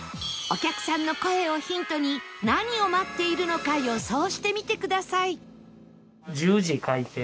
お客さんの声をヒントに何を待っているのか予想してみてください